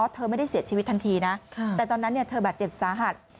เธอไม่ได้เสียชีวิตทันทีนะแต่ตอนนั้นเธอบาดเจ็บสาหัส